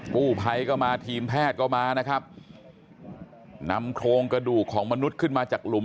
กู้ภัยก็มาทีมแพทย์ก็มานะครับนำโครงกระดูกของมนุษย์ขึ้นมาจากหลุม